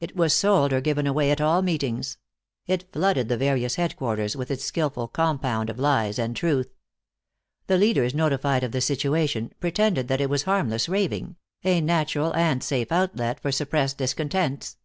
It was sold or given away at all meetings; it flooded the various headquarters with its skillful compound of lies and truth. The leaders notified of the situation, pretended that it was harmless raving, a natural and safe outlet for suppressed discontents.